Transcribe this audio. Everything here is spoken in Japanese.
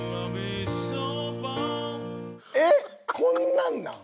えっこんなんなん？